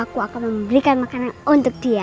aku akan memberikan makanan untuk dia